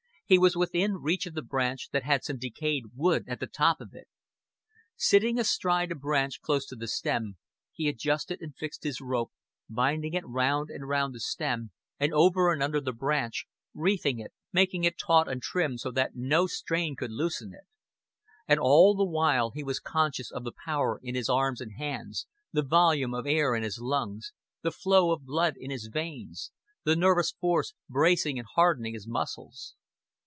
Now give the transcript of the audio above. He was within reach of the branch that had some decayed wood at the top of it. Sitting astride a branch close to the stem, he adjusted and fixed his rope, binding it round and round the stem and over and under the branch, reefing it, making it taut and trim so that no strain could loosen it; and all the while he was conscious of the power in his arms and hands, the volume of air in his lungs, the flow of blood in his veins, the nervous force bracing and hardening his muscles.